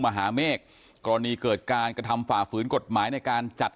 มหาเมฆกรณีเกิดการกระทำฝ่าฝืนกฎหมายในการจัด